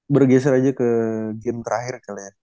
bergeser aja ke game terakhir kali ya